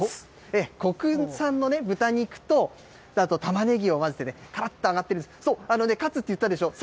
国産の豚肉とたまねぎを混ぜてからっと揚がっている、そう、勝つって言ったでしょ。